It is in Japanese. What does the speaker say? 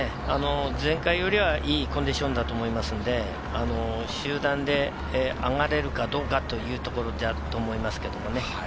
前回よりはいいコンディションだと思いますんで、集団で上がれるかどうかというところだと思いますけれどもね。